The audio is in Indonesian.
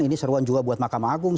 ini seruan juga buat mahkamah agung